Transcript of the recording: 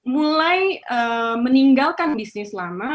mulai meninggalkan bisnis lama